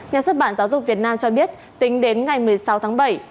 nhà xuất bản giáo dục việt nam cho biết tính đến ngày một mươi sáu tháng bảy